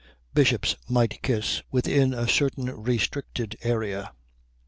Bishops might kiss, within a certain restricted area.